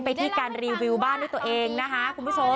มีการรีวิวบ้านด้วยตัวเองนะคะ